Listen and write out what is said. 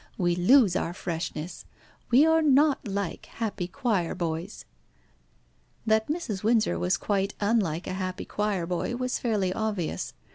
We lose our freshness. We are not like happy choir boys." That Mrs. Windsor was quite unlike a happy choir boy was fairly obvious.